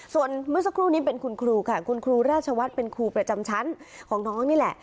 ส่วนเมื่อสักครู่นี้เป็นคุณครูค่ะคุณครูราชวัฒน์เป็นครูประจำชั้นของน้องนี่แหละ